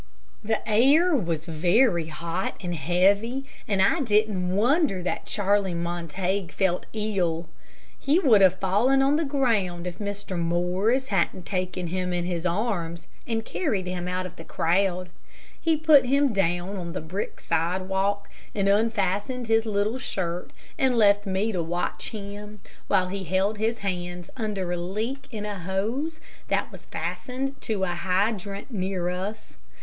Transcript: The air was very hot and heavy, and I didn't wonder that Charlie Montague felt ill. He would have fallen on the ground if Mr. Morris hadn't taken him in his arms, and carried him out of the crowd. He put him down on the brick sidewalk, and unfastened his little shirt, and left me to watch him, while he held his hands under a leak in a hose that was fastened to a hydrant near us.